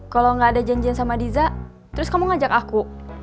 kalau gak ada janjian sama diza terus kamu ngajak aku